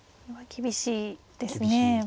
厳しい手ですね。